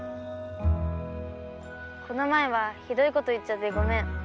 「この前はひどいこと言っちゃってごめん」。